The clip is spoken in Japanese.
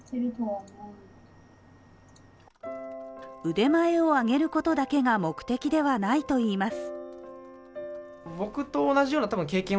腕前を上げることだけが目的ではないといいます。